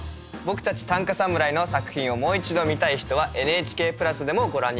僕たち短歌侍の作品をもう一度見たい人はＮＨＫプラスでもご覧になれます。